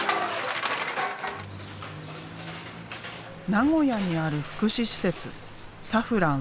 名古屋にある福祉施設さふらん